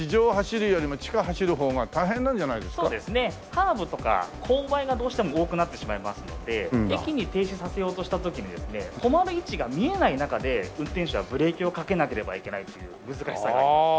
カーブとか勾配がどうしても多くなってしまいますので駅に停止させようとした時に止まる位置が見えない中で運転士はブレーキをかけなければいけないという難しさがあります。